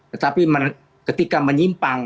tetapi ketika menyimpang